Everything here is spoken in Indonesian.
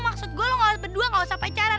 maksud gue lo berdua gak usah pacaran